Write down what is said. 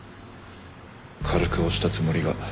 軽く押したつもりが。